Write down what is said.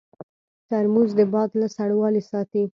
ترموز د باد له سړوالي ساتي.